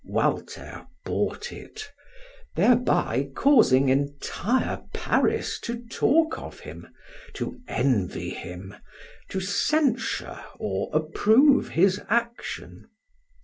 Walter bought it, thereby causing entire Paris to talk of him, to envy him, to censure or approve his action.